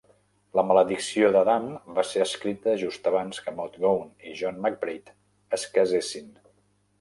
"La maledicció d'Adam" va ser escrita just abans que Maud Gonne i John MacBride es casessin.